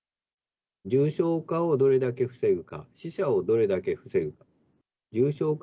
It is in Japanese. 重症化をどれだけ防ぐか、死者をどれだけ防ぐか。